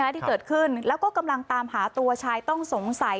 ที่เกิดขึ้นแล้วก็กำลังตามหาตัวชายต้องสงสัย